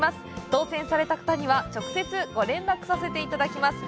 当せんされた方には直接ご連絡させていただきます。